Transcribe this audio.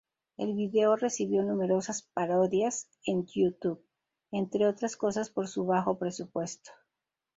El video recibió numerosas parodias en YouTube, entre otras cosas por su bajo presupuesto.